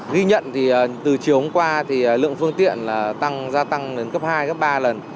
ghi nhận từ chiều hôm qua lượng phương tiện gia tăng đến cấp hai cấp ba lần